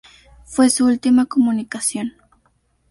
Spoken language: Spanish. Fue su última comunicación.